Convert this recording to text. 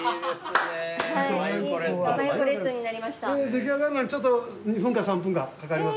出来上がるまでちょっと２分か３分かかかります。